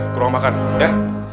ke ruang makan ya